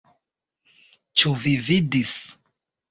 Ĉu vi vidis?